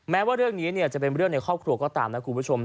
แม้ว่าเรื่องนี้จะเป็นเรื่องในครอบครัวก็ตามนะคุณผู้ชม